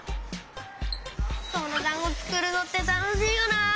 どろだんごつくるのってたのしいよな！